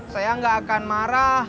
saya gak akan marah